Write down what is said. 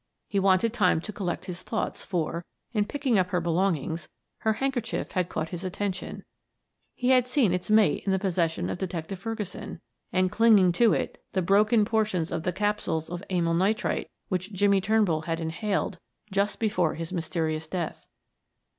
He wanted time to collect his thoughts for, in Picking up her belongings, her handkerchief had caught his attention he had seen its mate in the possession of Detective Ferguson, and clinging to it the broken portions of the capsules of amyl nitrite which Jimmie Turnbull had inhaled just before his mysterious death.